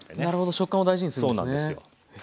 なるほど食感を大事にするんですね。